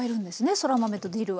そら豆とディルは。